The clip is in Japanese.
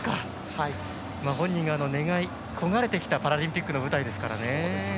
本人が願い焦がれてきたパラリンピックの舞台ですからね。